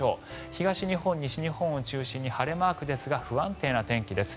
東日本、西日本を中心に晴れマークですが不安定な天気です。